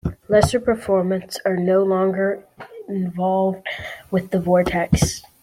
Laser Performance are no longer involved with the Vortex.